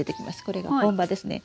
これが本葉ですね。